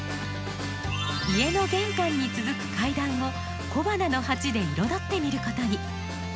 家の玄関に続く階段を小花の鉢で彩ってみることに。